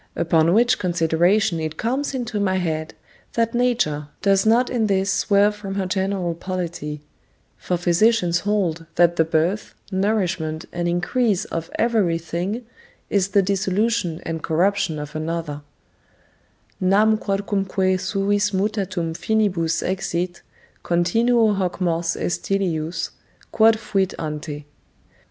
Upon which consideration it comes into my head, that nature does not in this swerve from her general polity; for physicians hold, that the birth, nourishment, and increase of every thing is the dissolution and corruption of another: "Nam quodcumque suis mutatum finibus exit, Continuo hoc mors est illius, quod fuit ante."